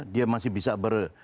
dia masih bisa ber